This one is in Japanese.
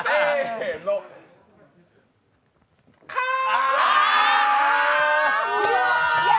かー！